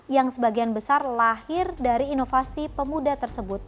yang sebagian besar lahir dari inovasi pemuda tersebut